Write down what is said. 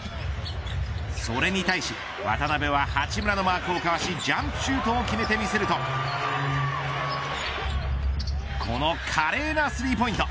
それに対し、渡邊は八村のマークをかわしジャンプシュートを決めてみせるとこの華麗なスリーポイント。